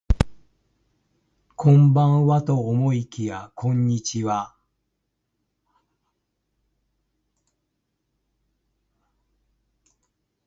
こんばんはと思いきやこんにちは